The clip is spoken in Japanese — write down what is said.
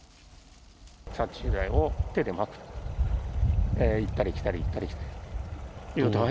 殺虫剤を手でまくと、行ったり来たり行ったり来たり。